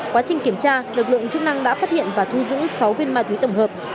quá trình kiểm tra lực lượng chức năng đã phát hiện và thu giữ sáu viên ma túy tổng hợp